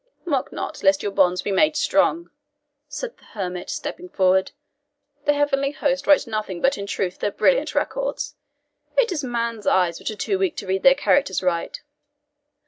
"Mock not, lest your bonds be made strong," said the hermit stepping forward. "The heavenly host write nothing but truth in their brilliant records. It is man's eyes which are too weak to read their characters aright.